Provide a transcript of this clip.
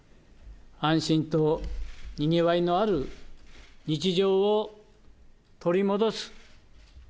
安心とにぎわいのある日常を取り戻す。